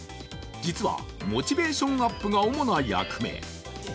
実はモチベーションアップが主な役目。